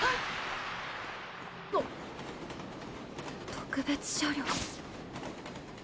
特別車両。